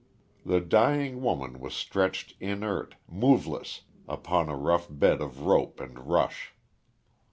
The dying woman was stretched inert, moveless, upon a rough bed of rope and rush.